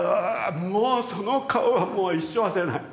もうその顔はもう一生忘れない！